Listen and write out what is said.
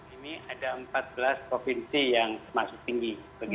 ini ada empat belas provinsi yang masih tinggi